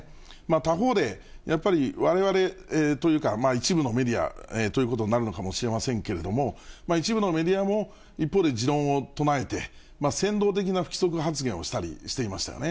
他方で、やっぱりわれわれというか、一部のメディアということになるのかもしれませんけれども、一部のメディアも、一方で持論をとなえて、扇動的な不規則発言をしたりしていましたよね。